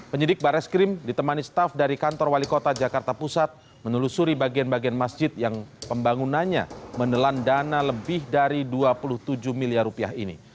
penyidik bareskrim ditemani staff dari kantor wali kota jakarta pusat menelusuri bagian bagian masjid yang pembangunannya menelan dana lebih dari dua puluh tujuh miliar rupiah ini